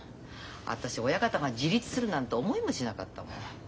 私親方が自立するなんて思いもしなかったもん。